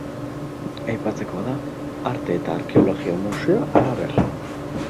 Aipatzekoa da Arte eta Arkeologia museoa halaber.